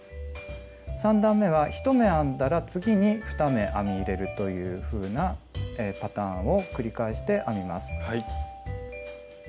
３段めは１目編んだら次に２目編み入れるというふうなパターンを繰り返して編みます。